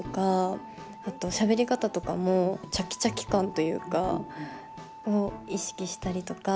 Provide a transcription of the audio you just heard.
あとしゃべり方とかもチャキチャキ感というかを意識したりとか。